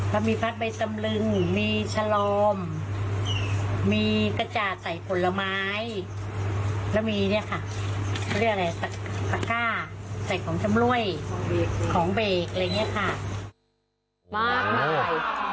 เรามีพัดใบตำลึงมีชะลอมมีกระจาดใส่ผลไม้แล้วมีเนี่ยค่ะเขาเรียกอะไรตะก้าใส่ของชำรวยของเบรกอะไรอย่างนี้ค่ะมากมาย